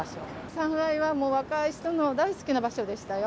三愛はもう若い人の大好きな場所でしたよ。